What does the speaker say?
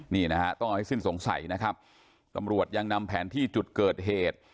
นี่นะฮะต้องเอาให้สิ้นสงสัยนะครับตำรวจยังนำแผนที่จุดเกิดเหตุ